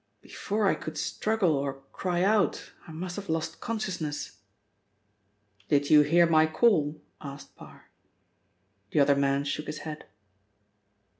Before I could struggle or cry out I must have lost consciousness." "Did you hear my call?" asked Parr. The other man shook his head.